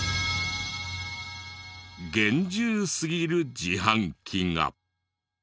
厳重すぎる自販機が。